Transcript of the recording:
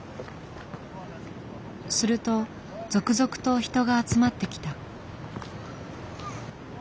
すると続々と人が集まってきた。